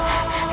selasi itu siapa